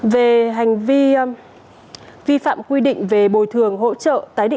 về hành vi vi phạm quy định về bồi thường hỗ trợ tái định cư khi nhà nước thu hồi đất